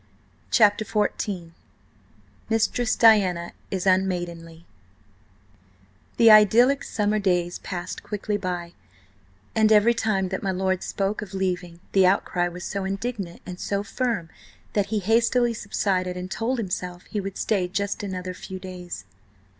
CHAPTER XIV MISTRESS DIANA IS UNMAIDENLY THE idyllic summer days passed quickly by, and every time that my lord spoke of leaving, the outcry was so indignant and so firm that he hastily subsided and told himself he would stay just another few days.